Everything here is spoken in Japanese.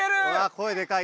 声でかい。